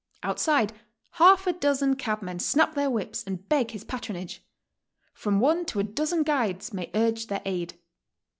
Outside, half a dozen cabmen snap their whips and beg his patronage; from one to a dozen guides may urge their aid.